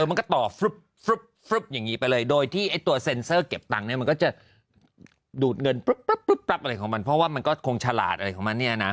มันก็ต่อฟึ๊บอย่างนี้ไปเลยโดยที่ไอ้ตัวเซ็นเซอร์เก็บตังค์เนี่ยมันก็จะดูดเงินปุ๊บปั๊บอะไรของมันเพราะว่ามันก็คงฉลาดอะไรของมันเนี่ยนะ